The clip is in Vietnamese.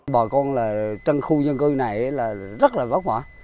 bà con là trong khu dân cư này là rất là bất khỏa